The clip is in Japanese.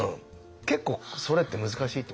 結構それって難しいと思うんです。